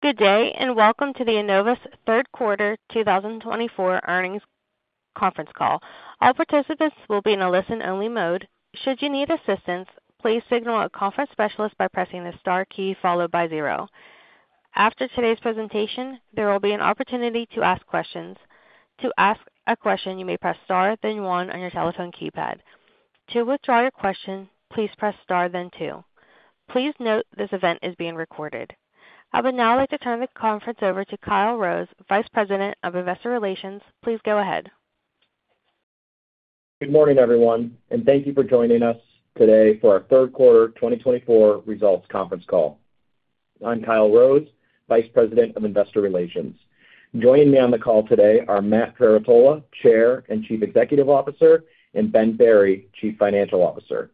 Good day, welcome to the Enovis Q3 2024 Earnings Conference Call. All participants will be in a listen-only mode. Should you need assistance, please signal a conference specialist by pressing the star key followed by zero. After today's presentation, there will be an opportunity to ask questions. To ask a question, you may press star, then one, on your telephone keypad. To withdraw your question, please press star, then two. Please note this event is being recorded. I would now like to turn the conference over to Kyle Rose, Vice President of Investor Relations. Please go ahead. Good morning, everyone, and thank you for joining us today for our Q3 2024 results conference call. I'm Kyle Rose, Vice President of Investor Relations. Joining me on the call today are Matt Trerotola, Chair and Chief Executive Officer, and Ben Berry, Chief Financial Officer.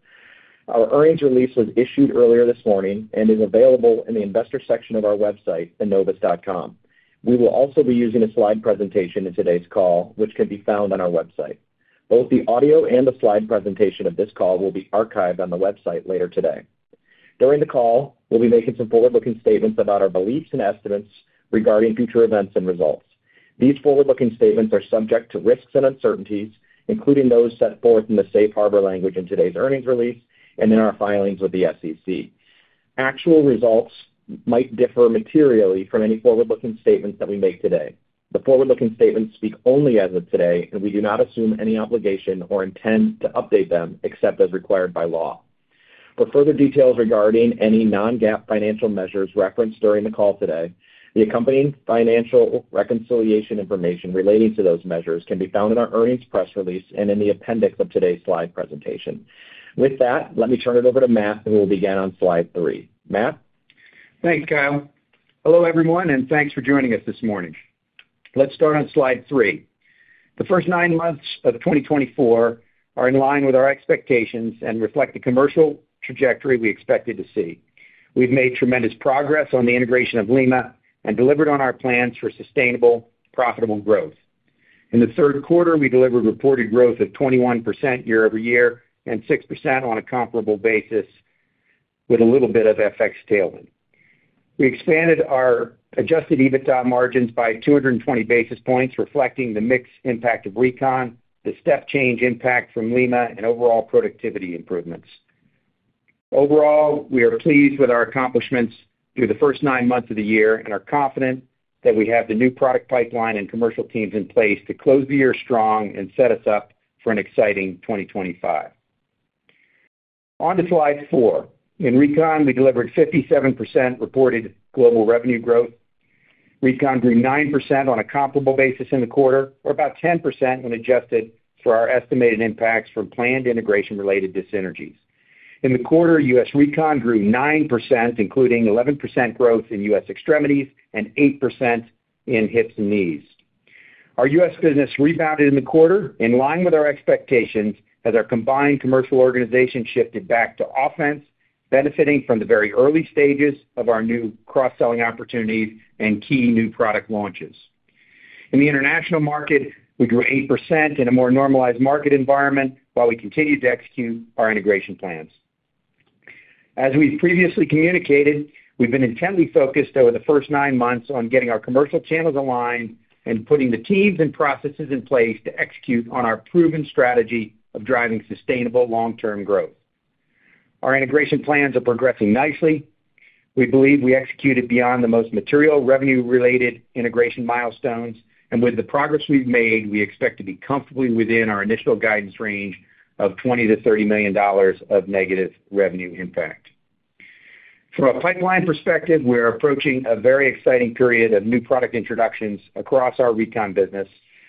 Our earnings release was issued earlier this morning and is available in the investor section of our website, Enovis.com. We will also be using a slide presentation in today's call, which can be found on our website. Both the audio and the slide presentation of this call will be archived on the website later today. During the call, we'll be making some forward-looking statements about our beliefs and estimates regarding future events and results. These forward-looking statements are subject to risks and uncertainties, including those set forth in the safe harbor language in today's earnings release and in our filings with the SEC. Actual results might differ materially from any forward-looking statements that we make today. The forward-looking statements speak only as of today, we do not assume any obligation or intend to update them except as required by law. For further details regarding any Non-GAAP financial measures referenced during the call today, the accompanying financial reconciliation information relating to those measures can be found in our earnings press release and in the appendix of today's slide presentation. With that, let me turn it over to Matt, who will begin on slide three. Matt. Thanks, Kyle. Hello, everyone, and thanks for joining us this morning. Let's start on slide three. The first nine months of 2024 are in line with our expectations and reflect the commercial trajectory we expected to see. We've made tremendous progress on the integration of Lima and delivered on our plans for sustainable, profitable growth. In the Q3, we delivered reported growth of 21% year over year and 6% on a comparable basis, with a little bit of FX tailing. We expanded our Adjusted EBITDA margins by 220 basis points, reflecting the mixed impact of recon, the step change impact from Lima, and overall productivity improvements. Overall, we are pleased with our accomplishments through the first nine months of the year and are confident that we have the new product pipeline and commercial teams in place to close the year strong and set us up for an exciting 2025. On to slide four. In Recon, we delivered 57% reported global revenue growth. Recon grew 9% on a comparable basis in the quarter, or about 10% when adjusted for our estimated impacts from planned integration-related dissynergies. In the quarter, U.S. Recon grew 9%, including 11% growth in U.S. extremities and 8% in hips and knees. Our U.S. business rebounded in the quarter, in line with our expectations, as our combined commercial organization shifted back to offense, benefiting from the very early stages of our new cross-selling opportunities and key new product launches. In the international market, we grew 8% in a more normalized market environment, while we continued to execute our integration plans. As we've previously communicated, we've been intently focused over the first nine months on getting our commercial channels aligned and putting the teams and processes in place to execute on our proven strategy of driving sustainable long-term growth. Our integration plans are progressing nicely. We believe we executed beyond the most material revenue-related integration milestones, with the progress we've made, we expect to be comfortably within our initial guidance range of $20 to 30 million of negative revenue impact. From a pipeline perspective, we are approaching a very exciting period of new product introductions across our recon business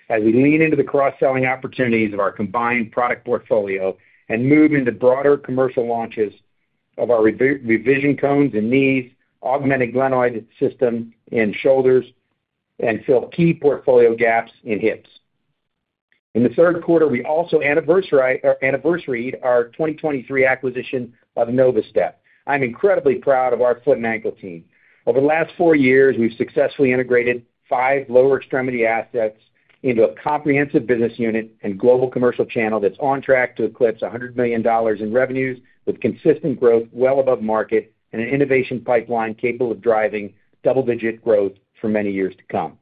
as we lean into the cross-selling opportunities of our combined product portfolio and move into broader commercial launches of our revision cones and knees, Augmented Glenoid System in shoulders, fill key portfolio gaps in hips. In the Q3, we also anniversary our 2023 acquisition of NovaStep. I'm incredibly proud of our foot and ankle team. Over the last four years, we've successfully integrated five lower extremity assets into a comprehensive business unit and global commercial channel that's on track to eclipse $100 million in revenues, with consistent growth well above market and an innovation pipeline capable of driving double-digit growth for many years to come.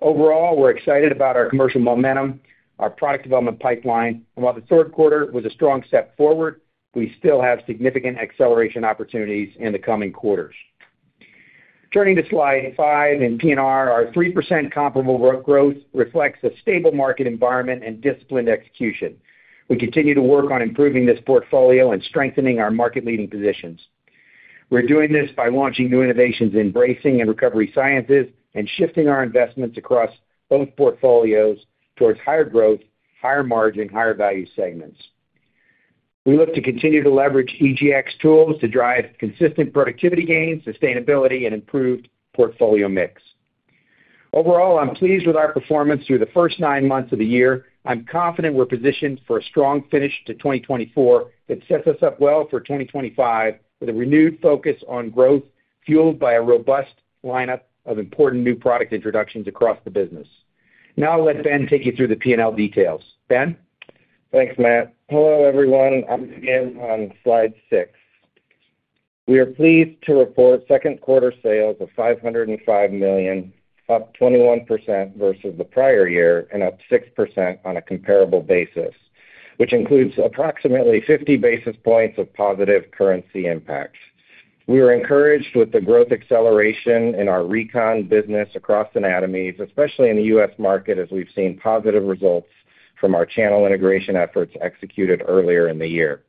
Overall, we're excited about our commercial momentum, our product development pipeline, and while the Q3 was a strong step forward, we still have significant acceleration opportunities in the coming quarters. Turning to slide five in P&R, our 3% comparable growth reflects a stable market environment and disciplined execution. We continue to work on improving this portfolio and strengthening our market-leading positions. We're doing this by launching new innovations in bracing and recovery sciences and shifting our investments across both portfolios towards higher growth, higher margin, and higher value segments. We look to continue to leverage EGX tools to drive consistent productivity gains, sustainability, and improved portfolio mix. Overall, I'm pleased with our performance through the first nine months of the year. I'm confident we're positioned for a strong finish to 2024 that sets us up well for 2025 with a renewed focus on growth fueled by a robust lineup of important new product introductions across the business. Now I'll let Ben take you through the P&L details. Ben? Thanks, Matt. Hello, everyone. I'm again on slide six. We are pleased to report Q2 sales of $505 million, up 21% versus the prior year and up 6% on a comparable basis, which includes approximately 50 basis points of positive currency impact. We are encouraged with the growth acceleration in our recon business across anatomies, especially in the U.S. market, as we've seen positive results from our channel integration efforts executed earlier in the year.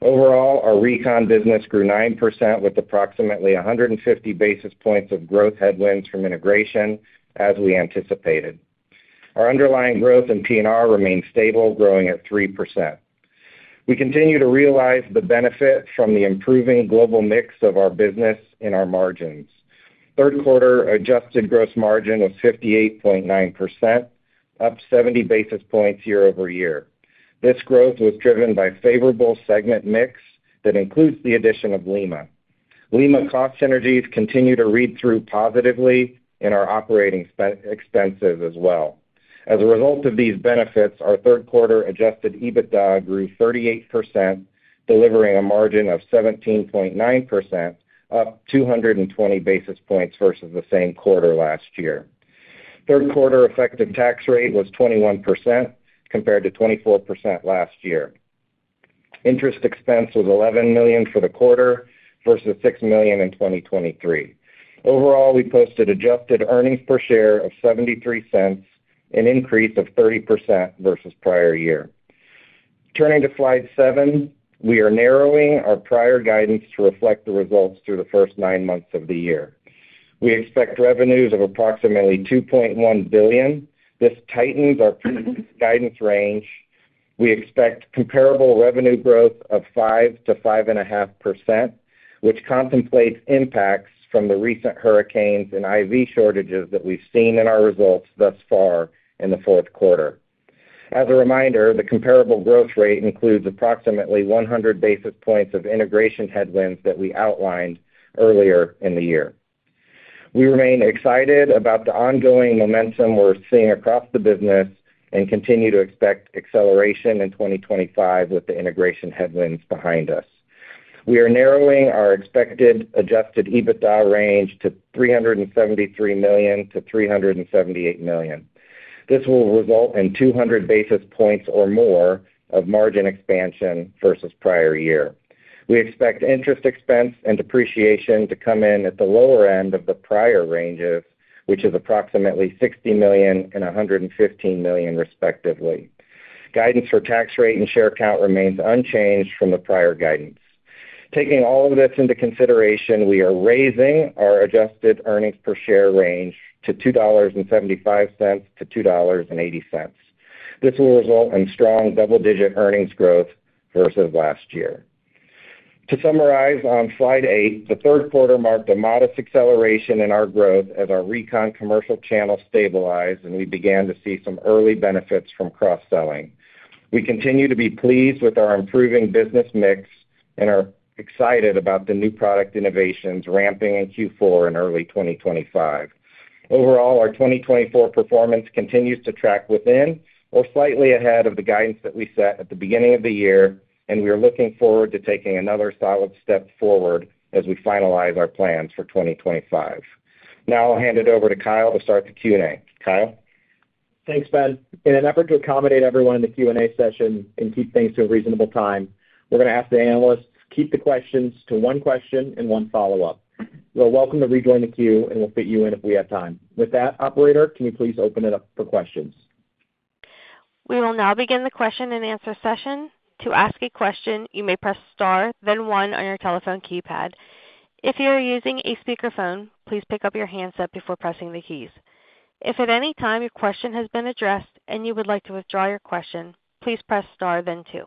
Overall, our recon business grew 9% with approximately 150 basis points of growth headwinds from integration, as we anticipated. Our underlying growth in P&R remains stable, growing at 3%. We continue to realize the benefit from the improving global mix of our business in our margins. Q3 adjusted gross margin was 58.9%, up 70 basis points year-over-year. This growth was driven by a favorable segment mix that includes the addition of Lima. Lima cost synergies continue to read through positively in our operating expenses as well. As a result of these benefits, our Q3 Adjusted EBITDA grew 38%, delivering a margin of 17.9%, up 220 basis points versus the same quarter last year. Q3 effective tax rate was 21% compared to 24% last year. Interest expense was $11 million for the quarter versus $6 million in 2023. Overall, we posted adjusted earnings per share of $0.73, an increase of 30% versus prior year. Turning to slide seven, we are narrowing our prior guidance to reflect the results through the first nine months of the year. We expect revenues of approximately $2.1 billion. This tightens our guidance range. We expect comparable revenue growth of 5% to 5.5%, which contemplates impacts from the recent hurricanes and IV shortages that we've seen in our results thus far in the Q4. As a reminder, the comparable growth rate includes approximately 100 basis points of integration headwinds that we outlined earlier in the year. We remain excited about the ongoing momentum we're seeing across the business and continue to expect acceleration in 2025 with the integration headwinds behind us. We are narrowing our expected Adjusted EBITDA range to $373 to 378 million. This will result in 200 basis points or more of margin expansion versus prior year. We expect interest expense and depreciation to come in at the lower end of the prior ranges, which is approximately $60 million and $115 million, respectively. Guidance for tax rate and share count remains unchanged from the prior guidance. Taking all of this into consideration, we are raising our adjusted earnings per share range to $2.75 to 2.80. This will result in strong double-digit earnings growth versus last year. To summarize on slide eight, the Q3 marked a modest acceleration in our growth as our recon commercial channel stabilized, and we began to see some early benefits from cross-selling. We continue to be pleased with our improving business mix and are excited about the new product innovations ramping in Q4 and early 2025. Overall, our 2024 performance continues to track within or slightly ahead of the guidance that we set at the beginning of the year, and we are looking forward to taking another solid step forward as we finalize our plans for 2025. Now I'll hand it over to Kyle to start the Q&A. Kyle? Thanks, Ben. In an effort to accommodate everyone in the Q&A session and keep things to a reasonable time, we're going to ask the analysts to keep the questions to one question and one follow-up. We'll welcome you to rejoin the queue, and we'll fit you in if we have time. With that, operator, can you please open it up for questions? We will now begin the question and answer session. To ask a question, you may press star, then one on your telephone keypad. If you are using a speakerphone, please pick up your handset before pressing the keys. If at any time your question has been addressed and you would like to withdraw your question, please press star, then two.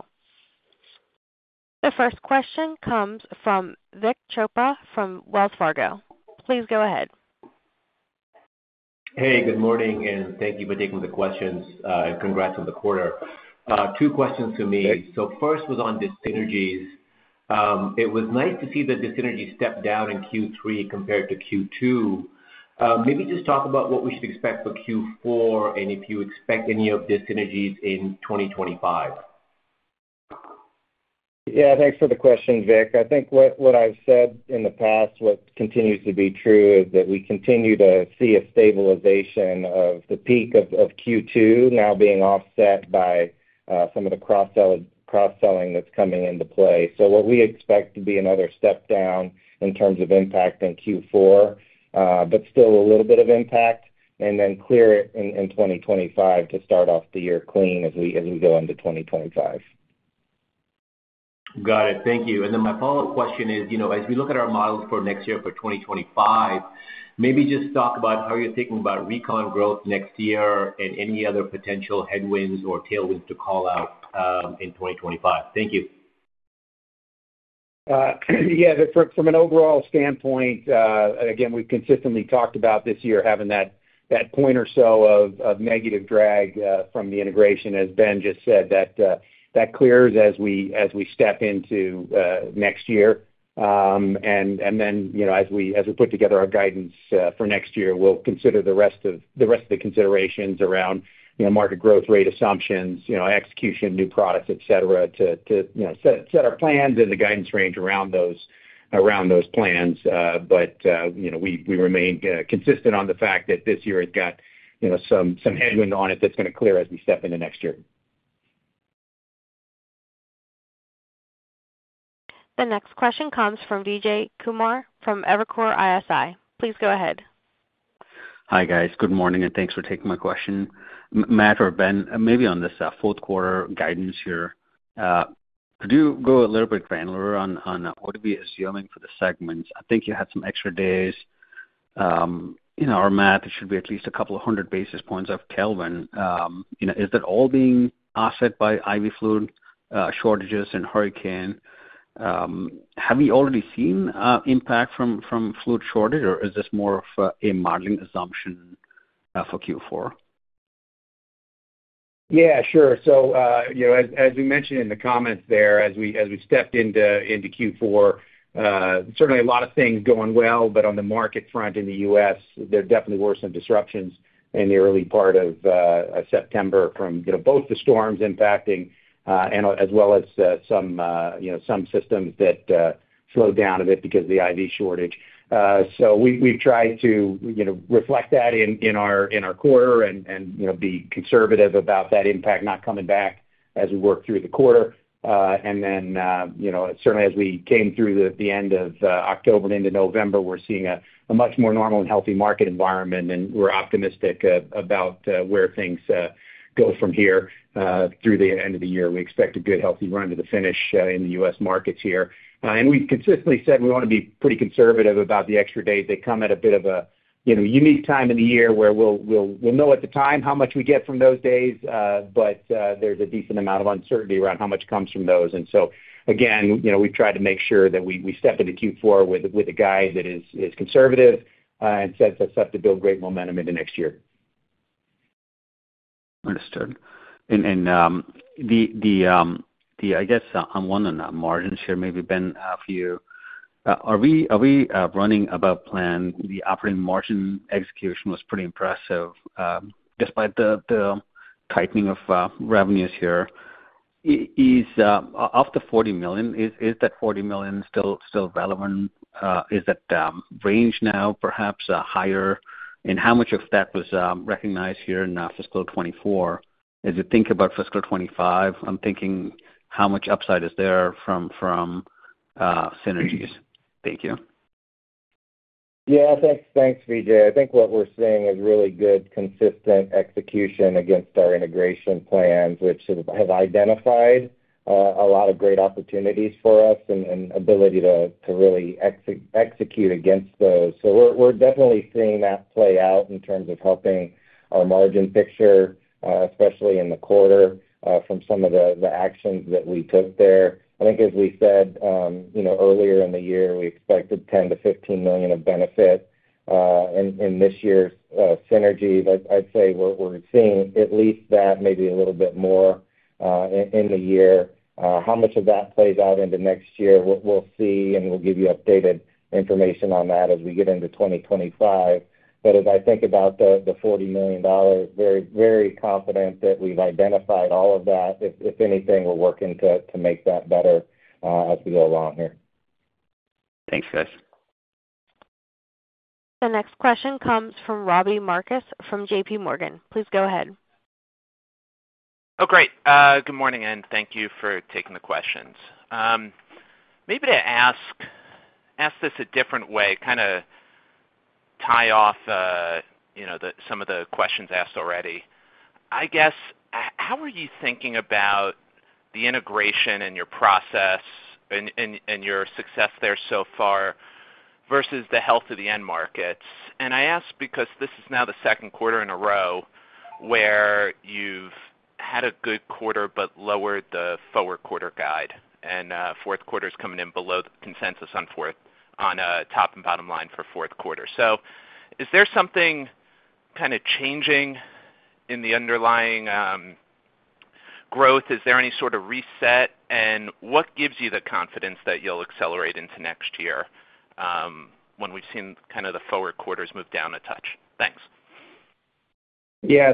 The first question comes from Vik Chopra from Wells Fargo. Please go ahead. Hey, good morning, and thank you for taking the questions, and congrats on the quarter. Two questions for me. First was on dissynergies. It was nice to see that dissynergies stepped down in Q3 compared to Q2. Maybe just talk about what we should expect for Q4 and if you expect any of dissynergies in 2025. Thanks for the question, Vik. I think what I've said in the past continues to be true is that we continue to see a stabilization of the peak of Q2 now being offset by some of the cross-selling that's coming into play. What we expect to be another step down in terms of impact in Q4, but still a little bit of impact, and then clear it in 2025 to start off the year clean as we go into 2025. Got it. Thank you. My follow-up question is, as we look at our models for next year for 2025, maybe just talk about how you're thinking about Recon growth next year and any other potential headwinds or tailwinds to call out in 2025. Thank you. From an overall standpoint, again, we've consistently talked about this year having that point or so of negative drag from the integration, as Ben just said, that clears as we step into next year, and then as we put together our guidance for next year, we'll consider the rest of the considerations around market growth rate assumptions, execution, new products, etc., to set our plans and the guidance range around those plans, but we remain consistent on the fact that this year has got some headwinds on it that's going to clear as we step into next year. The next question comes from Vijay Kumar from Evercore ISI. Please go ahead. Hi guys. Good morning, and thanks for taking my question. Matt or Ben, maybe on this Q4 guidance here, could you go a little bit granular on what are we assuming for the segments? I think you had some extra days. In our math, it should be at least a couple of hundred basis points of growth. Is that all being offset by IV fluid shortages and hurricane? Have we already seen impact from fluid shortage, or is this more of a modeling assumption for Q4? Sure. As we mentioned in the comments there, as we stepped into Q4, certainly a lot of things going well, on the market front in the U.S., there definitely were some disruptions in the early part of September from both the storms impacting as well as some systems that slowed down a bit because of the IV shortage. We've tried to reflect that in our quarter and be conservative about that impact not coming back as we work through the quarter. Certainly as we came through the end of October and into November, we're seeing a much more normal and healthy market environment, and we're optimistic about where things go from here through the end of the year. We expect a good, healthy run to the finish in the U.S. markets here. We've consistently said we want to be pretty conservative about the extra days. They come at a bit of a unique time in the year where we'll know at the time how much we get from those days, but there's a decent amount of uncertainty around how much comes from those. Again, we've tried to make sure that we step into Q4 with a guide that is conservative and sets us up to build great momentum into next year. Understood, I guess I'm wondering that margins here, maybe, Ben, for you. Are we running above plan? The operating margin execution was pretty impressive despite the tightening of revenues here. Is off the $40 million, is that $40 million still relevant? Is that range now perhaps higher, and how much of that was recognized here in fiscal 2024? As you think about fiscal 2025, I'm thinking how much upside is there from synergies? Thank you. Thanks, Vijay. I think what we're seeing is really good, consistent execution against our integration plans, which have identified a lot of great opportunities for us and ability to really execute against those. We're definitely seeing that play out in terms of helping our margin picture, especially in the quarter, from some of the actions that we took there. I think as we said earlier in the year, we expected $10 to 15 million of benefit in this year's synergies. I'd say we're seeing at least that, maybe a little bit more in the year. How much of that plays out into next year, we'll see, and we'll give you updated information on that as we get into 2025. As I think about the $40 million, very confident that we've identified all of that. If anything, we're working to make that better as we go along here. Thanks, guys. The next question comes from Robbie Marcus from JPMorgan. Please go ahead. Great. Good morning, and thank you for taking the questions. Maybe to ask this a different way, kind of tie off some of the questions asked already. I guess, how are you thinking about the integration and your process and your success there so far versus the health of the end markets? I ask because this is now the Q2 in a row where you've had a good quarter but lowered the forward quarter guide. Q4 is coming in below consensus on top and bottom line for Q4. So is there something kind of changing in the underlying growth? Is there any sort of reset? And what gives you the confidence that you'll accelerate into next year when we've seen kind of the forward quarters move down a touch? Thanks.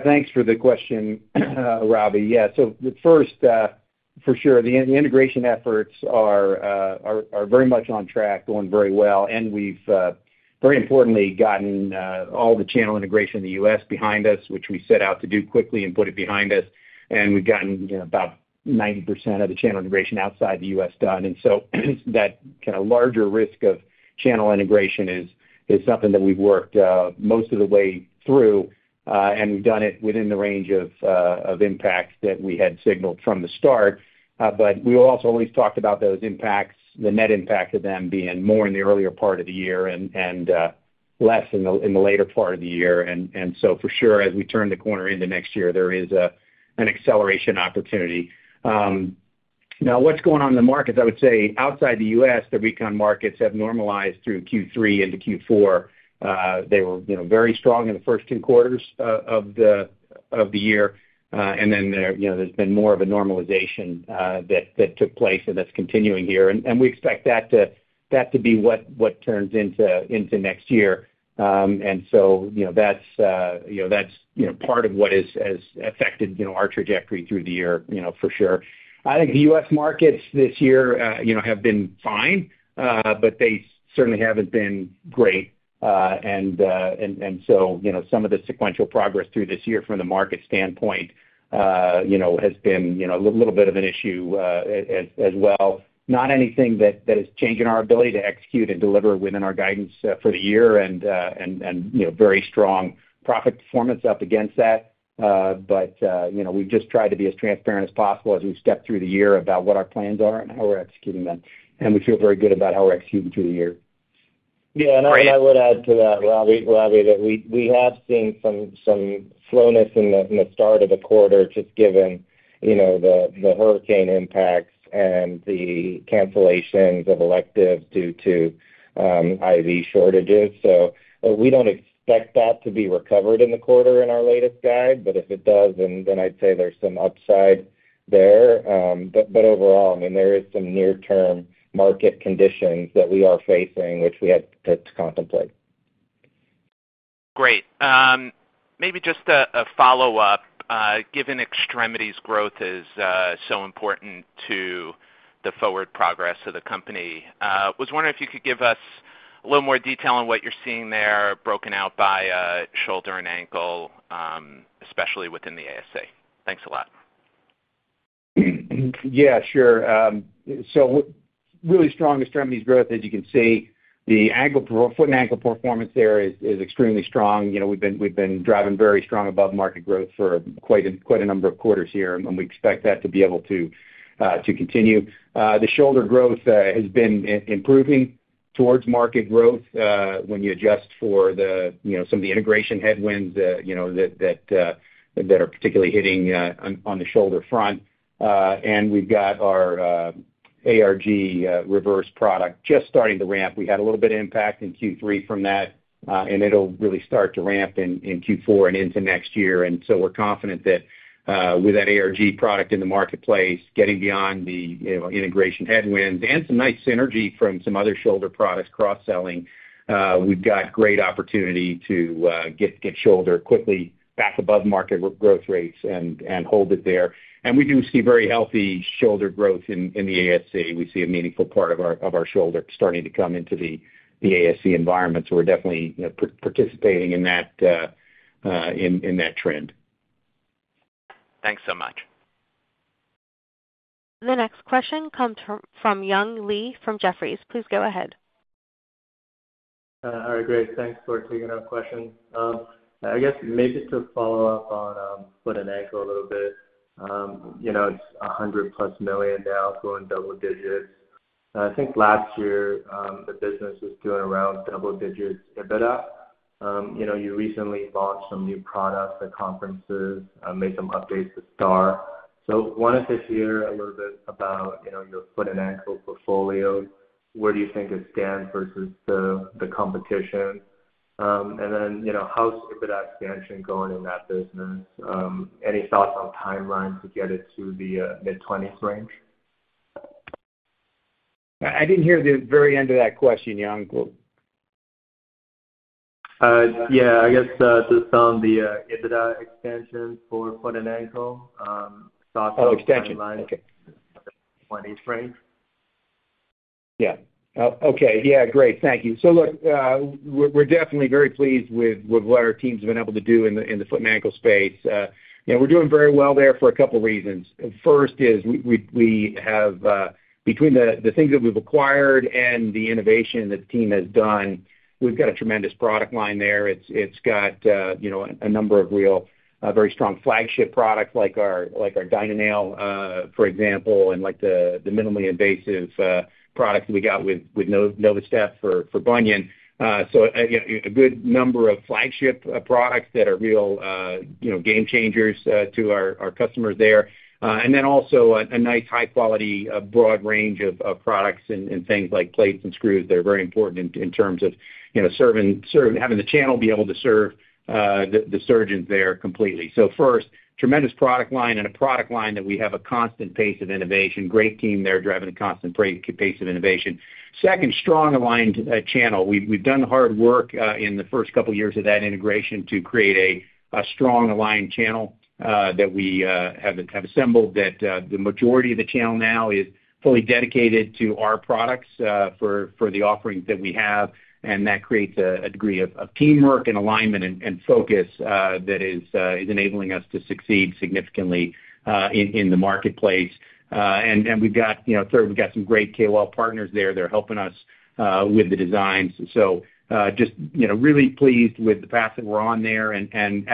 Thanks for the question, Robbie. First, for sure, the integration efforts are very much on track, going very well. We've, very importantly, gotten all the channel integration in the U.S. behind us, which we set out to do quickly and put it behind us. We've gotten about 90% of the channel integration outside the U.S. done. That kind of larger risk of channel integration is something that we've worked most of the way through. We've done it within the range of impact that we had signaled from the start. We also always talked about those impacts, the net impact of them being more in the earlier part of the year and less in the later part of the year. For sure, as we turn the corner into next year, there is an acceleration opportunity. Now, what's going on in the markets? I would say outside the U.S., the recon markets have normalized through Q3 into Q4. They were very strong in the first two quarters of the year. There's been more of a normalization that took place and that's continuing here. We expect that to be what turns into next year. That's part of what has affected our trajectory through the year, for sure. I think the U.S. markets this year have been fine, but they certainly haven't been great. Some of the sequential progress through this year from the market standpoint has been a little bit of an issue as well. Not anything that is changing our ability to execute and deliver within our guidance for the year and very strong profit performance up against that. We've just tried to be as transparent as possible as we step through the year about what our plans are and how we're executing them. We feel very good about how we're executing through the year. I would add to that, Robbie, that we have seen some slowness in the start of the quarter just given the hurricane impacts and the cancellations of electives due to IV shortages. We don't expect that to be recovered in the quarter in our latest guide. If it does, then I'd say there's some upside there. Overall, I mean, there is some near-term market conditions that we are facing, which we had to contemplate. Great. Maybe just a follow-up. Given extremities growth is so important to the forward progress of the company, I was wondering if you could give us a little more detail on what you're seeing there, broken out by shoulder and ankle, especially within the ASC. Thanks a lot. Sure. Really strong extremities growth, as you can see. The foot and ankle performance there is extremely strong. We've been driving very strong above market growth for quite a number of quarters here, and we expect that to be able to continue. The shoulder growth has been improving towards market growth when you adjust for some of the integration headwinds that are particularly hitting on the shoulder front. We've got our AGS reverse product just starting to ramp. We had a little bit of impact in Q3 from that, and it'll really start to ramp in Q4 and into next year. We're confident that with that ARG product in the marketplace, getting beyond the integration headwinds and some nice synergy from some other shoulder products cross-selling, we've got great opportunity to get shoulder quickly back above market growth rates and hold it there. We do see very healthy shoulder growth in the ASC. We see a meaningful part of our shoulder starting to come into the ASC environment. We're definitely participating in that trend. Thanks so much. The next question comes from Young Li from Jefferies. Please go ahead. All right, great. Thanks for taking our questions. I guess maybe to follow up on foot and ankle a little bit, it's $100+ million now, going double digits. I think last year the business was doing around double digits EBITDA. You recently launched some new products at conferences, made some updates to STAR. I wanted to hear a little bit about your foot and ankle portfolio. Where do you think it stands versus the competition? How's EBITDA expansion going in that business? Any thoughts on timeline to get it to the mid-20s range? I didn't hear the very end of that question, Young. I guess to some of the EBITDA expansion for foot and ankle, thoughts on timeline? Expansion. Okay. 20s range. Okay. Great. Thank you. Look, we're definitely very pleased with what our team's been able to do in the foot and ankle space. We're doing very well there for a couple of reasons. First is we have, between the things that we've acquired and the innovation that the team has done, we've got a tremendous product line there. It's got a number of real very strong flagship products like our DynaNail, for example, and the minimally invasive products we got with NovaStep for bunion. A good number of flagship products that are real game changers to our customers there. Also a nice high-quality broad range of products and things like plates and screws that are very important in terms of having the channel be able to serve the surgeons there completely. First, tremendous product line and a product line that we have a constant pace of innovation. Great team there driving a constant pace of innovation. Second, strong aligned channel. We've done hard work in the first couple of years of that integration to create a strong aligned channel that we have assembled that the majority of the channel now is fully dedicated to our products for the offerings that we have. That creates a degree of teamwork and alignment and focus that is enabling us to succeed significantly in the marketplace. Third, we've got some great KOL partners there. They're helping us with the designs. Just really pleased with the path that we're on there.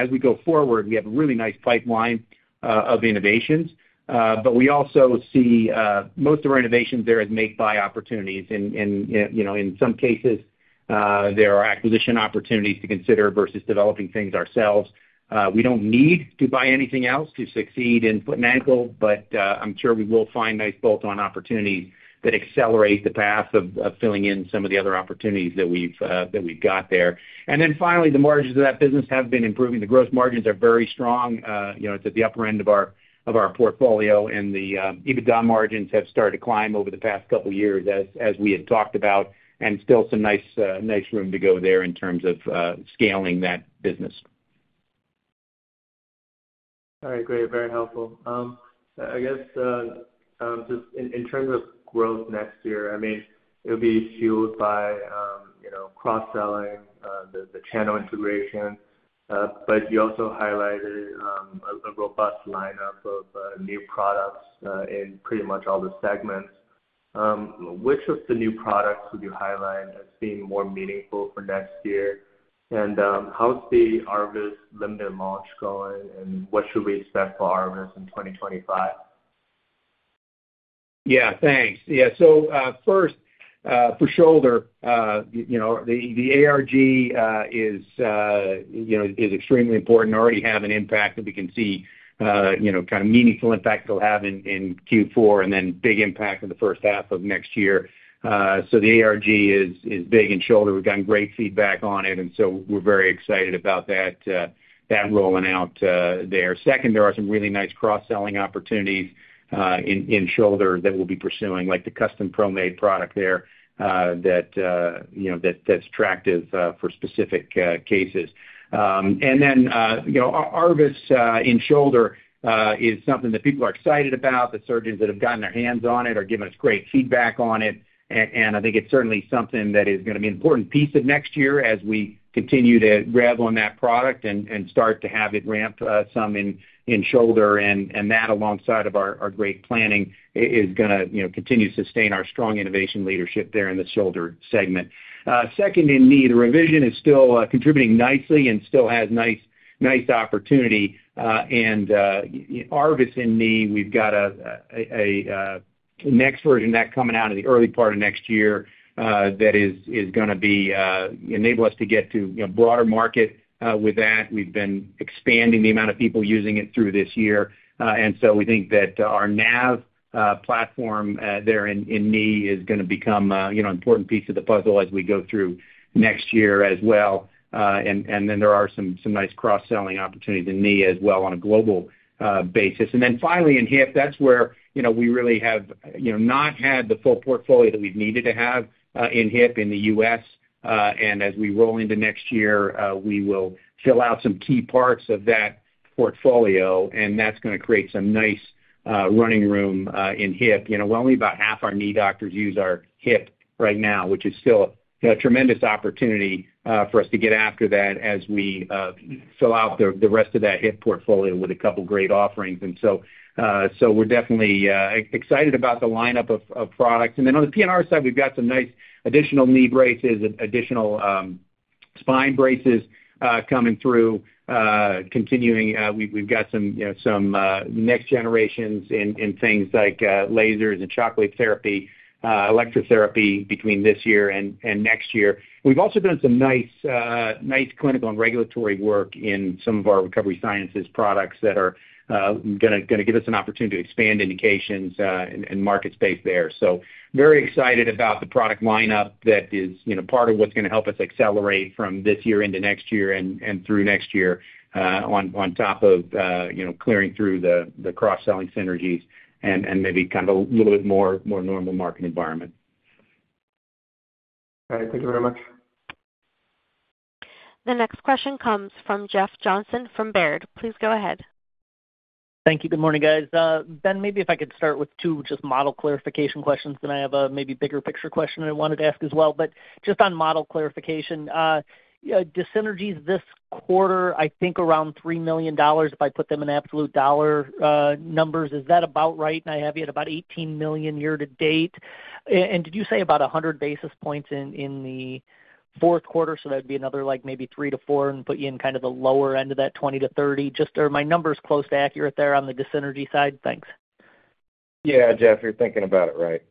We go forward, we have a really nice pipeline of innovations. We also see most of our innovations there as make-buy opportunities. In some cases, there are acquisition opportunities to consider versus developing things ourselves. We don't need to buy anything else to succeed in foot and ankle, but I'm sure we will find nice bolt-on opportunities that accelerate the path of filling in some of the other opportunities that we've got there. Finally, the margins of that business have been improving. The gross margins are very strong. It's at the upper end of our portfolio, and the EBITDA margins have started to climb over the past couple of years, as we had talked about. Still some nice room to go there in terms of scaling that business. All right, great. Very helpful. I guess just in terms of growth next year, It'll be fueled by cross-selling, the channel integration. You also highlighted a robust lineup of new products in pretty much all the segments. Which of the new products would you highlight as being more meaningful for next year? And how's the ARVIS limited launch going, and what should we expect for ARVIS in 2025? Thanks. First, for shoulder, the ARG is extremely important. Already have an impact that we can see, kind of meaningful impact it'll have in Q4 and then big impact in the first half of next year. The ARG is big in shoulder. We've gotten great feedback on it, we're very excited about that rolling out there. Second, there are some really nice cross-selling opportunities in shoulder that we'll be pursuing, like the custom ProMade product there that's attractive for specific cases. ARVIS in shoulder is something that people are excited about. The surgeons that have gotten their hands on it are giving us great feedback on it. I think it's certainly something that is going to be an important piece of next year as we continue to grab on that product and start to have it ramp some in shoulder. That, alongside of our great planning, is going to continue to sustain our strong innovation leadership there in the shoulder segment. Second, in knee, the revision is still contributing nicely and still has nice opportunity. ARVIS in knee, we've got a next version of that coming out in the early part of next year that is going to enable us to get to a broader market with that. We've been expanding the amount of people using it through this year. We think that our nav platform there in knee is going to become an important piece of the puzzle as we go through next year as well. There are some nice cross-selling opportunities in knee as well on a global basis. Then finally, in hip, that's where we really have not had the full portfolio that we've needed to have in hip in the U.S. As we roll into next year, we will fill out some key parts of that portfolio, and that's going to create some nice running room in hip. Only about half our knee doctors use our hip right now, which is still a tremendous opportunity for us to get after that as we fill out the rest of that hip portfolio with a couple of great offerings. We're definitely excited about the lineup of products. On the P&R side, we've got some nice additional knee braces, additional spine braces coming through. Continuing, we've got some next generations in things like lasers and Chattanooga therapy, electrotherapy between this year and next year. We've also done some nice clinical and regulatory work in some of our recovery sciences products that are going to give us an opportunity to expand indications and market space there. Very excited about the product lineup that is part of what's going to help us accelerate from this year into next year and through next year on top of clearing through the cross-selling synergies and maybe kind of a little bit more normal market environment. All right. Thank you very much. The next question comes from Jeff Johnson from Baird. Please go ahead. Thank you. Good morning, guys. Ben, maybe if I could start with two just model clarification questions, then I have a maybe bigger picture question I wanted to ask as well. Just on model clarification, do synergies this quarter, I think around $3 million if I put them in absolute dollar numbers, is that about right? I have you at about $18 million year to date. Did you say about 100 basis points in the Q4? That would be another maybe $3 to 4 million and put you in kind of the lower end of that $20 to 30 million. Just are my numbers close to accurate there on the dissynergies side? Thanks. Jeff, you're thinking about it right.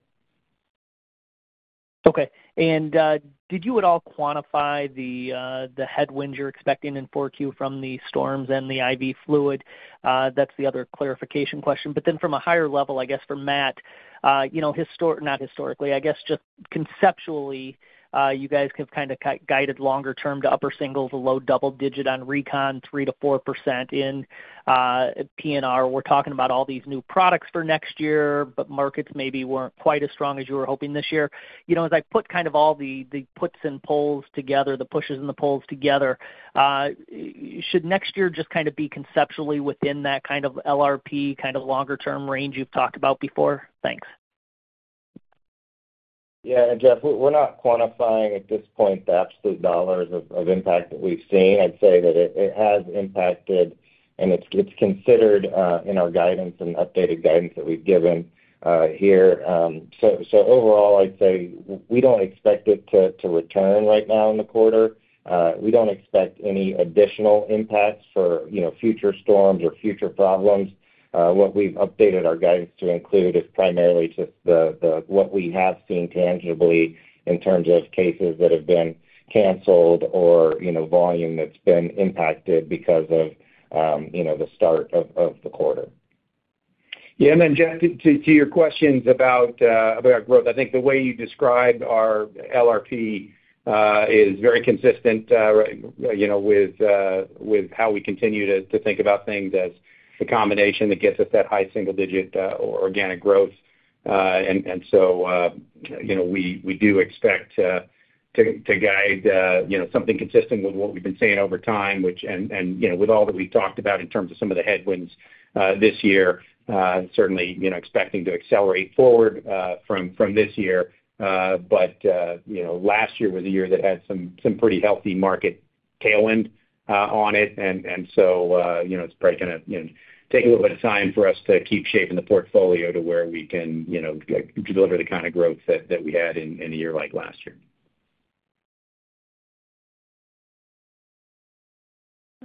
Did you at all quantify the headwinds you're expecting in 4Q from the storms and the IV fluid? That's the other clarification question. From a higher level, I guess for Matt, not historically, I guess just conceptually, you guys have kind of guided longer term to upper singles, a low double digit on recon, 3% to 4% in P&R. We're talking about all these new products for next year, but markets maybe weren't quite as strong as you were hoping this year. As I put kind of all the puts and pulls together, the pushes and the pulls together, should next year just kind of be conceptually within that kind of LRP, kind of longer term range you've talked about before? Thanks. Jeff, we're not quantifying at this point the absolute dollars of impact that we've seen. I'd say that it has impacted, and it's considered in our guidance and updated guidance that we've given here. Overall, I'd say we don't expect it to return right now in the quarter. We don't expect any additional impacts for future storms or future problems. What we've updated our guidance to include is primarily just what we have seen tangibly in terms of cases that have been canceled or volume that's been impacted because of the start of the quarter. Jeff, to your questions about growth, I think the way you described our LRP is very consistent with how we continue to think about things as the combination that gets us that high single-digit organic growth. We do expect to guide something consistent with what we've been seeing over time, with all that we've talked about in terms of some of the headwinds this year, certainly expecting to accelerate forward from this year. Last year was a year that had some pretty healthy market tailwind on it. It's probably going to take a little bit of time for us to keep shaping the portfolio to where we can deliver the kind of growth that we had in a year like last year.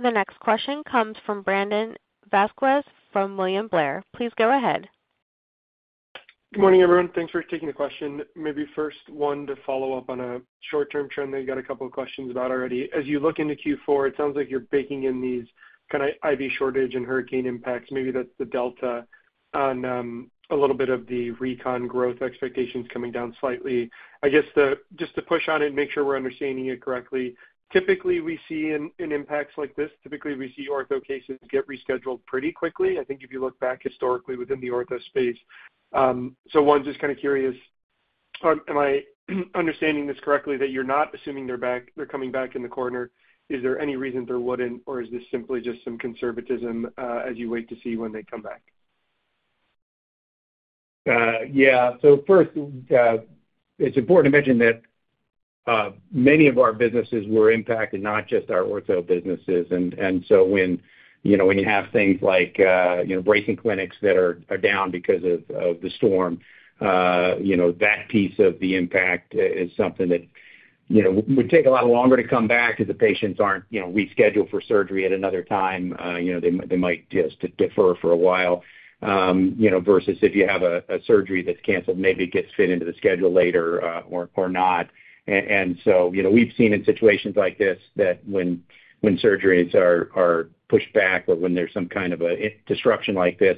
The next question comes from Brandon Vazquez from William Blair. Please go ahead. Good morning, everyone. Thanks for taking the question. Maybe first one to follow up on a short-term trend that you got a couple of questions about already. As you look into Q4, it sounds like you're baking in these kind of IV shortage and hurricane impacts. Maybe that's the delta on a little bit of the recon growth expectations coming down slightly. I guess just to push on it and make sure we're understanding it correctly, typically we see in impacts like this, typically we see ortho cases get rescheduled pretty quickly. I think if you look back historically within the ortho space. One's just kind of curious, am I understanding this correctly that you're not assuming they're coming back in the quarter? Is there any reason they wouldn't, or is this simply just some conservatism as you wait to see when they come back? First, it's important to mention that many of our businesses were impacted, not just our ortho businesses. When you have things like bracing clinics that are down because of the storm, that piece of the impact is something that would take a lot longer to come back if the patients aren't rescheduled for surgery at another time. They might just defer for a while versus if you have a surgery that's canceled, maybe it gets fit into the schedule later or not. We've seen in situations like this that when surgeries are pushed back or when there's some kind of a disruption like this,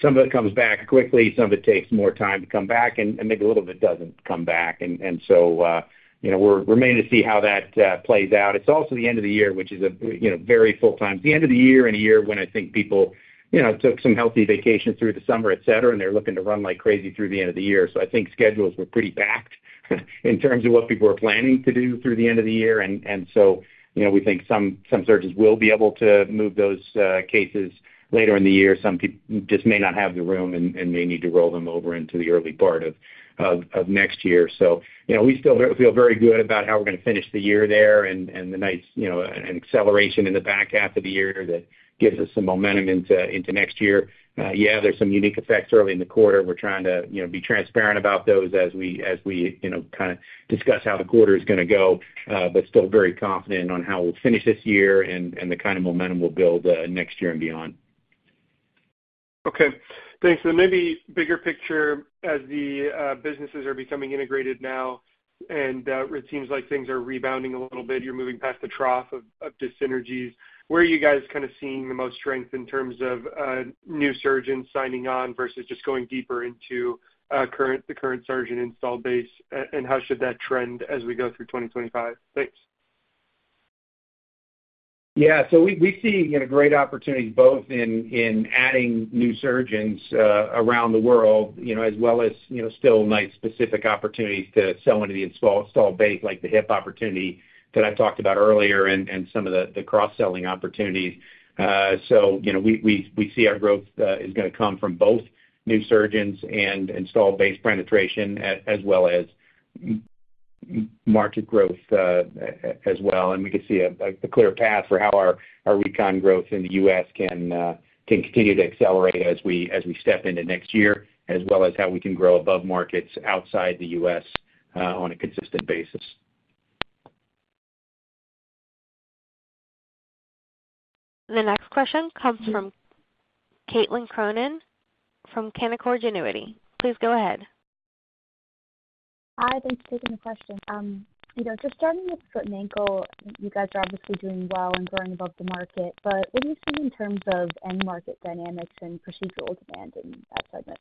some of it comes back quickly, some of it takes more time to come back, and maybe a little bit doesn't come back. We're remaining to see how that plays out. It's also the end of the year, which is a very full-time end of the year and a year when I think people took some healthy vacation through the summer, etc., and they're looking to run like crazy through the end of the year. I think schedules were pretty packed in terms of what people were planning to do through the end of the year. We think some surgeons will be able to move those cases later in the year. Some just may not have the room and may need to roll them over into the early part of next year. We still feel very good about how we're going to finish the year there and the nice acceleration in the back half of the year that gives us some momentum into next year. There's some unique effects early in the quarter. We're trying to be transparent about those as we kind of discuss how the quarter is going to go, but still very confident on how we'll finish this year and the kind of momentum we'll build next year and beyond. Thanks. Maybe bigger picture, as the businesses are becoming integrated now and it seems like things are rebounding a little bit, you're moving past the trough of dis-synergies. Where are you guys kind of seeing the most strength in terms of new surgeons signing on versus just going deeper into the current surgeon installed base? How should that trend as we go through 2025? Thanks. We see great opportunities both in adding new surgeons around the world as well as still nice specific opportunities to sell into the installed base like the hip opportunity that I talked about earlier and some of the cross-selling opportunities. We see our growth is going to come from both new surgeons and installed base penetration as well as market growth as well. We can see a clear path for how our recon growth in the U.S. can continue to accelerate as we step into next year, as well as how we can grow above markets outside the U.S. on a consistent basis. The next question comes from Caitlin Cronin from Canaccord Genuity. Please go ahead. Hey. Thanks for taking the question. Just starting with foot and ankle, you guys are obviously doing well and growing above the market. But what do you see in terms of end market dynamics and procedural demand in that segment?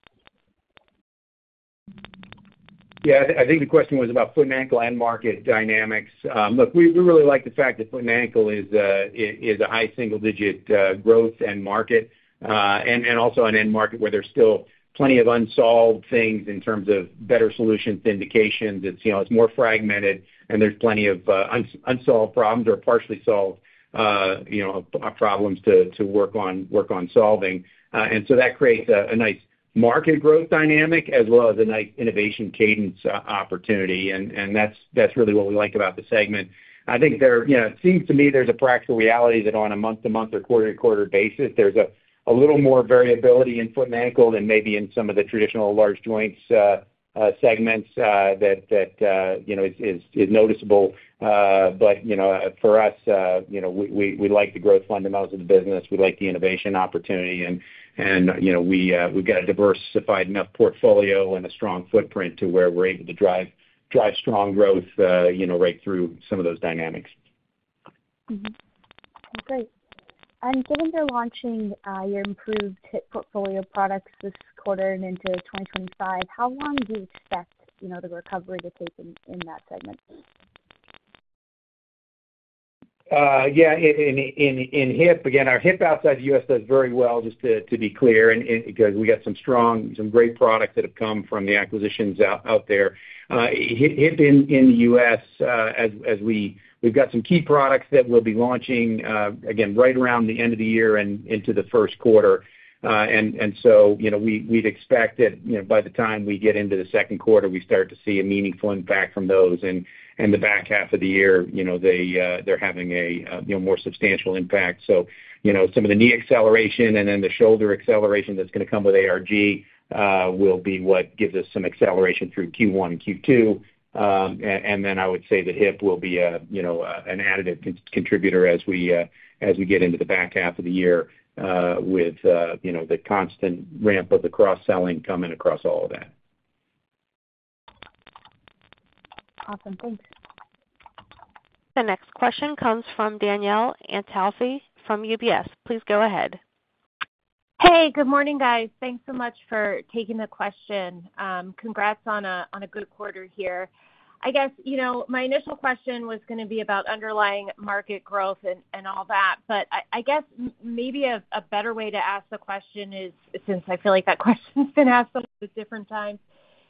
I think the question was about foot and ankle end market dynamics. Look, we really like the fact that foot and ankle is a high single-digit growth end market and also an end market where there's still plenty of unsolved things in terms of better solutions, indications. It's more fragmented, there's plenty of unsolved problems or partially solved problems to work on solving. That creates a nice market growth dynamic as well as a nice innovation cadence opportunity. That's really what we like about the segment. I think it seems to me there's a practical reality that on a month-to-month or quarter-to-quarter basis, there's a little more variability in foot and ankle than maybe in some of the traditional large joints segments that is noticeable. For us, we like the growth fundamentals of the business. We like the innovation opportunity. We've got a diversified enough portfolio and a strong footprint to where we're able to drive strong growth right through some of those dynamics. Great. Given you're launching your improved hip portfolio products this quarter and into 2025, how long do you expect the recovery to take in that segment? In hip, again, our hip outside the U.S. does very well, just to be clear, because we got some strong, some great products that have come from the acquisitions out there. Hip in the U.S., we've got some key products that we'll be launching, again, right around the end of the year and into the Q1. We'd expect that by the time we get into the Q2, we start to see a meaningful impact from those. The back half of the year, they're having a more substantial impact. Some of the knee acceleration, the shoulder acceleration that's going to come with ARG will be what gives us some acceleration through Q1 and Q2. I would say the hip will be an additive contributor as we get into the back half of the year with the constant ramp of the cross-selling coming across all of that. Awesome. Thanks. The next question comes from Danielle Antalffy from UBS. Please go ahead. Hey, good morning, guys. Thanks so much for taking the question. Congrats on a good quarter here. I guess my initial question was going to be about underlying market growth and all that, but I guess maybe a better way to ask the question is, since I feel like that question's been asked a little bit different times,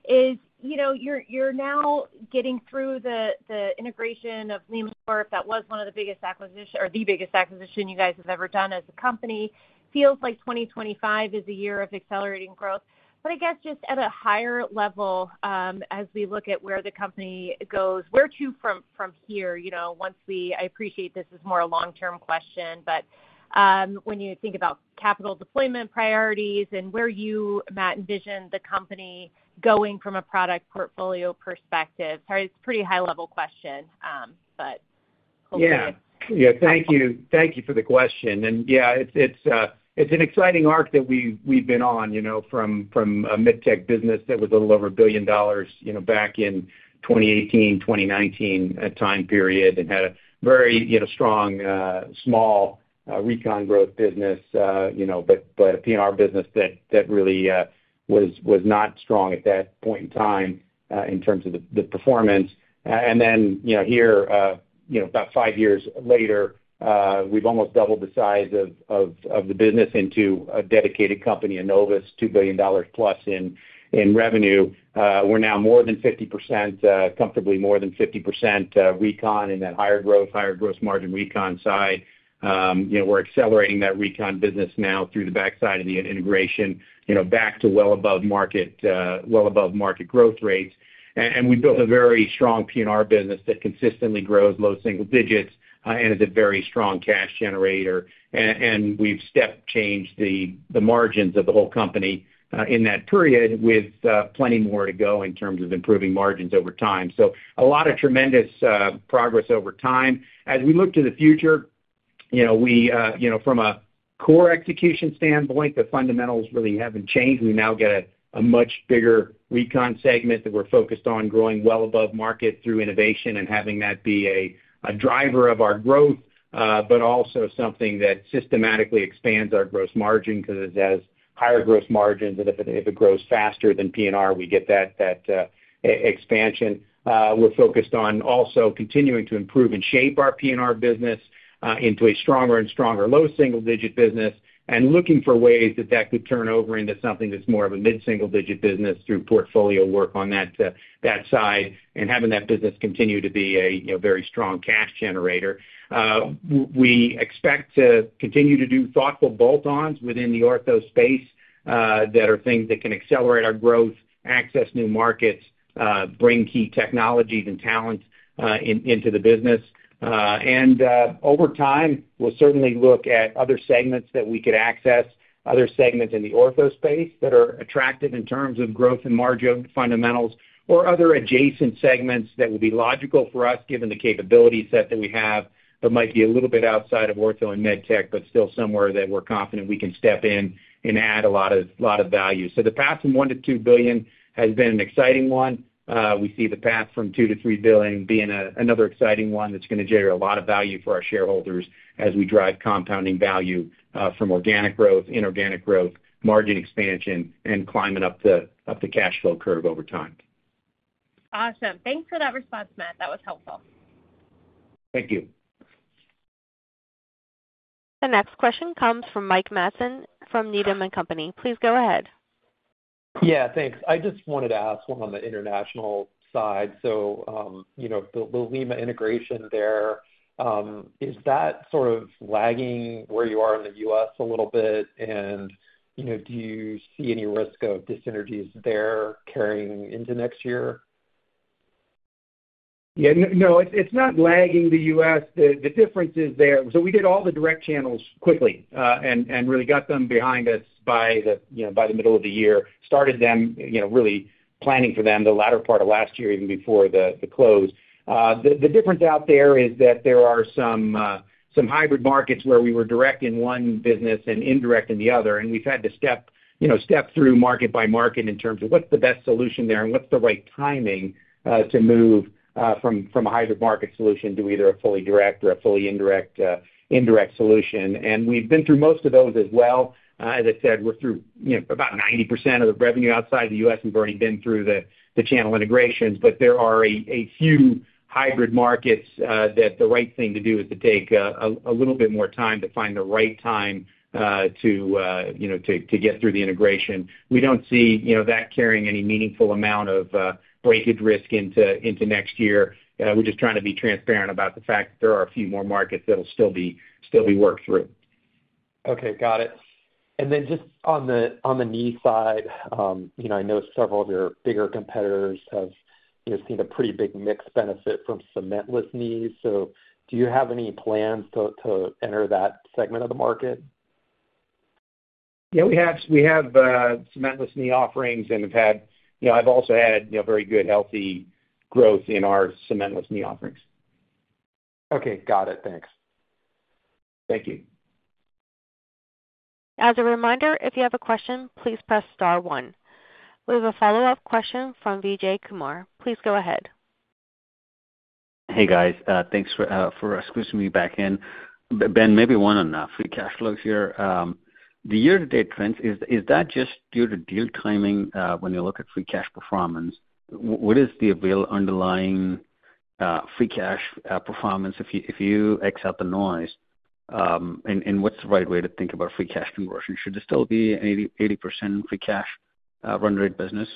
is you're now getting through the integration of LimaCorp. That was one of the biggest acquisitions or the biggest acquisition you guys have ever done as a company. Feels like 2025 is a year of accelerating growth. I guess just at a higher level, as we look at where the company goes, where to from here? I appreciate this is more a long-term question, but when you think about capital deployment priorities and where you, Matt, envision the company going from a product portfolio perspective. Sorry, it's a pretty high-level question, but hopefully. Thank you. Thank you for the question. It's an exciting arc that we've been on from a medtech business that was a little over a billion dollars back in 2018, 2019 time period and had a very strong, small recon growth business, but a P&R business that really was not strong at that point in time in terms of the performance. Here, about five years later, we've almost doubled the size of the business into a dedicated company, Enovis, $2 billion plus in revenue. We're now more than 50%, comfortably more than 50% recon and then higher growth, higher gross margin recon side. We're accelerating that recon business now through the back half of the integration back to well above market growth rates. We built a very strong P&R business that consistently grows low single digits and is a very strong cash generator. We've step-changed the margins of the whole company in that period with plenty more to go in terms of improving margins over time. A lot of tremendous progress over time. As we look to the future, from a core execution standpoint, the fundamentals really haven't changed. We now get a much bigger Recon segment that we're focused on growing well above market through innovation and having that be a driver of our growth, but also something that systematically expands our gross margin because it has higher gross margins. If it grows faster than PNR, we get that expansion. We're focused on also continuing to improve and shape our P&R business into a stronger and stronger low single-digit business and looking for ways that that could turn over into something that's more of a mid-single-digit business through portfolio work on that side and having that business continue to be a very strong cash generator. We expect to continue to do thoughtful bolt-ons within the ortho space that are things that can accelerate our growth, access new markets, bring key technologies and talent into the business. Over time, we'll certainly look at other segments that we could access, other segments in the ortho space that are attractive in terms of growth and margin fundamentals or other adjacent segments that will be logical for us given the capability set that we have that might be a little bit outside of ortho and med tech, but still somewhere that we're confident we can step in and add a lot of value. The path from $1 to 2 billion has been an exciting one. We see the path from $2 to 3 billion being another exciting one that's going to generate a lot of value for our shareholders as we drive compounding value from organic growth, inorganic growth, margin expansion, and climbing up the cash flow curve over time. Awesome. Thanks for that response, Matt. That was helpful. Thank you. The next question comes from Mike Matson from Needham & Company. Please go ahead. Thanks. I just wanted to ask one on the international side. The Lima integration there, is that sort of lagging where you are in the U.S. a little bit? Do you see any risk of dissynergies there carrying into next year? No, it's not lagging the U.S. The difference is there. We did all the direct channels quickly and really got them behind us by the middle of the year, started them really planning for them the latter part of last year, even before the close. The difference out there is that there are some hybrid markets where we were direct in one business and indirect in the other, and we've had to step through market by market in terms of what's the best solution there and what's the right timing to move from a hybrid market solution to either a fully direct or a fully indirect solution, and we've been through most of those as well. As I said, we're through about 90% of the revenue outside the U.S. and have already been through the channel integrations. There are a few hybrid markets that the right thing to do is to take a little bit more time to find the right time to get through the integration. We don't see that carrying any meaningful amount of breakage risk into next year. We're just trying to be transparent about the fact that there are a few more markets that'll still be worked through. Got it. And then just on the knee side, I know several of your bigger competitors have seen a pretty big mix benefit from cementless knees. So do you have any plans to enter that segment of the market? We have cementless knee offerings and have had very good healthy growth in our cementless knee offerings. Okay. Got it. Thanks. Thank you. As a reminder, if you have a question, please press star one. We have a follow-up question from Vijay Kumar. Please go ahead. Hey, guys. Thanks for scooching me back in. Ben, maybe one on free cash flow here. The year-to-date trends, is that just due to deal timing when you look at free cash performance? What is the underlying free cash performance if you X out the noise? What's the right way to think about free cash conversion? Should it still be 80% free cash run rate business?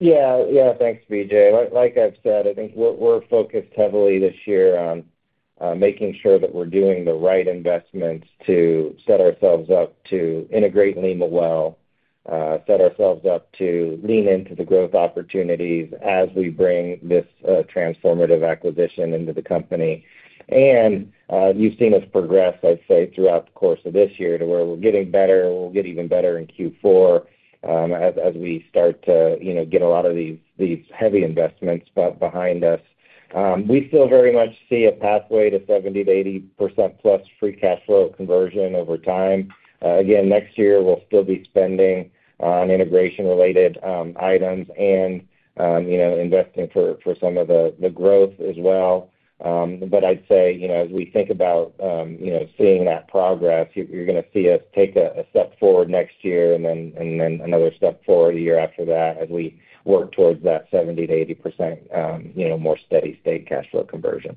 Thanks, Vijay. Like I've said, I think we're focused heavily this year on making sure that we're doing the right investments to set ourselves up to integrate LimaCorporate, set ourselves up to lean into the growth opportunities as we bring this transformative acquisition into the company, and you've seen us progress, I'd say, throughout the course of this year to where we're getting better. We'll get even better in Q4 as we start to get a lot of these heavy investments behind us. We still very much see a pathway to 70% to 80% plus free cash flow conversion over time. Again, next year, we'll still be spending on integration-related items and investing for some of the growth as well. I'd say as we think about seeing that progress, you're going to see us take a step forward next year and then another step forward a year after that as we work towards that 70% to 80% more steady state cash flow conversion.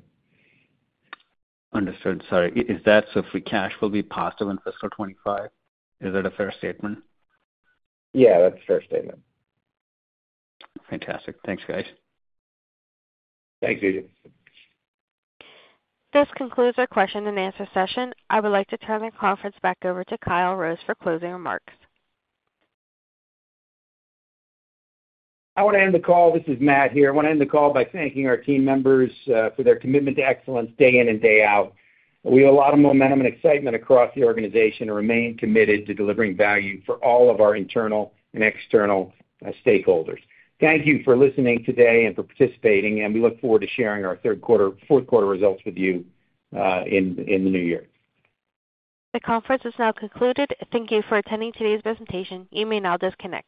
Understood. Sorry. Is that so free cash will be positive in fiscal 2025? Is that a fair statement? That's a fair statement. Fantastic. Thanks, guys. Thanks, Vijay. This concludes our question and answer session. I would like to turn the conference back over to Kyle Rose for closing remarks. I want to end the call. This is Matt here. I want to end the call by thanking our team members for their commitment to excellence day in and day out. We have a lot of momentum and excitement across the organization to remain committed to delivering value for all of our internal and external stakeholders. Thank you for listening today and for participating, we look forward to sharing our Q3, Q4 results with you in the new year. The conference is now concluded. Thank you for attending today's presentation. You may now disconnect.